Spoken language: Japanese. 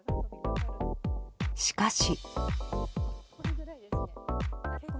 しかし。